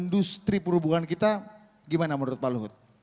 industri perhubungan kita gimana menurut pak luhut